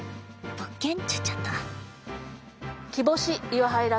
物件っちゅっちゃった。